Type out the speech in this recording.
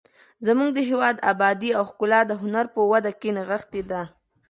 زموږ د هېواد ابادي او ښکلا د هنر په وده کې نغښتې ده.